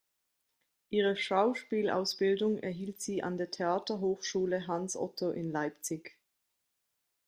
Ihre Schauspielausbildung erhielt sie an der Theaterhochschule "Hans-Otto" in Leipzig.